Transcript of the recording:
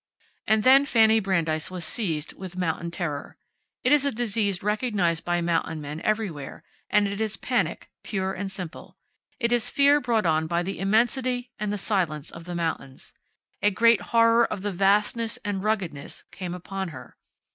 And then Fanny Brandeis was seized with mountain terror. It is a disease recognized by mountain men everywhere, and it is panic, pure and simple. It is fear brought on by the immensity and the silence of the mountains. A great horror of the vastness and ruggedness came upon her.